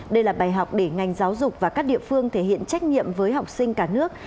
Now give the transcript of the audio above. đây là bài học để ngành giáo dục và các địa phương thể hiện trách nhiệm với học sinh cả nước